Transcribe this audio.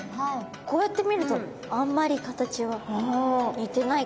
こうやって見るとあんまり形は似てないかも？